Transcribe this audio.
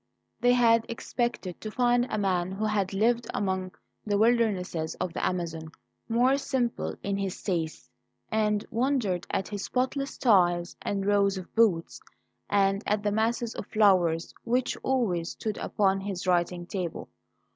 They had expected to find a man who had lived among the wildernesses of the Amazon more simple in his tastes, and wondered at his spotless ties and rows of boots, and at the masses of flowers which always stood upon his writing table.